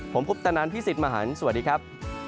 ผมคุปตะนันพี่สิทธิ์มหันฯสวัสดีครับ